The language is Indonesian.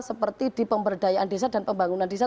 seperti di pemberdayaan desa dan pembangunan desa